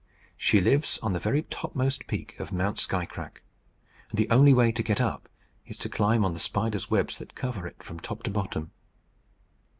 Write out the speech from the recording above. She lives on the very topmost peak of Mount Skycrack; and the only way to get up is to climb on the spiders' webs that cover it from top to bottom."